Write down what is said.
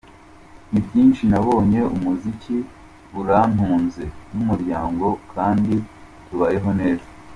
Ni byinshi nabonye, umuziki urantunze n’umuryango kandi tubayeho neza.